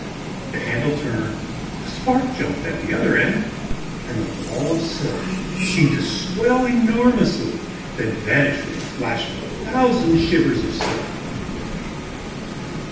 The handle turned, a spark jumped at the other end, and the ball of silk seemed to swell enormously and then vanish with a flash of a thousand shivers of silk.